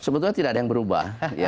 sebetulnya tidak ada yang berubah